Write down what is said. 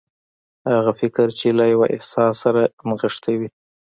هغه فکر چې له يوه احساس سره نغښتي وي.